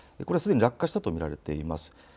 すでに落下したと見られています。